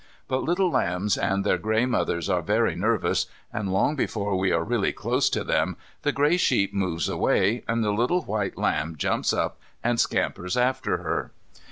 But little lambs and their grey mothers are very nervous, and long before we are really close to them the grey sheep moves away, and the little white lamb jumps up and scampers after her.